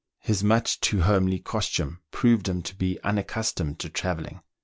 His much too homely costume proved him to be unaccustomed to travelling.